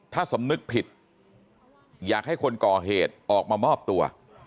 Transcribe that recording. ถ้าสำนึกผิดอยากให้คนก่อเหตุออกมามอบตัว